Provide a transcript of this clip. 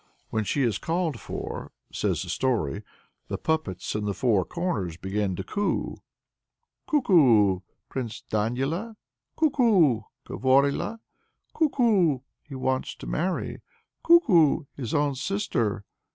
When she is called for says the story the puppets in the four corners begin to coo. "Kuku! Prince Danila! "Kuku! Govorila. "Kuku! He wants to marry, "Kuku! His own sister.